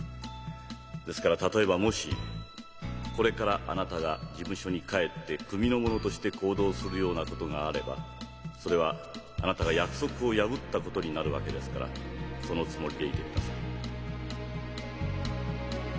ですから例えばもしこれからあなたが事務所に帰って組の者として行動するようなことがあればそれはあなたが約束を破ったことになるわけですからそのつもりでいてください。